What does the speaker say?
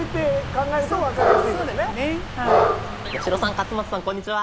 八代さん勝俣さんこんにちは。